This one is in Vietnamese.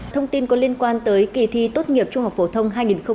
thông tin có liên quan tới kỳ thi tốt nghiệp trung học phổ thông hai nghìn hai mươi